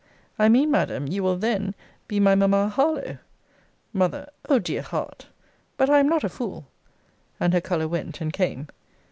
I mean, Madam, you will then be my mamma Harlowe. M. O dear heart! But I am not a fool. And her colour went and came.